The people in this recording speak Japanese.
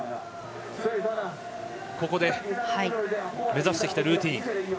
ここで目指してきたルーティンを。